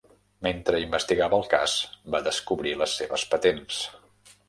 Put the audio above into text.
Mentre investigava el cas, va descobrir les seves patents.